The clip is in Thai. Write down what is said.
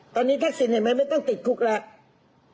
ตอนนี้ทักษิณเห็นไหมไม่ต้องติดคุกแล้ว